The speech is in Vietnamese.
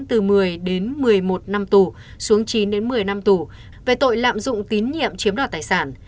từ một mươi đến một mươi một năm tù xuống chín đến một mươi năm tù về tội lạm dụng tín nhiệm chiếm đoạt tài sản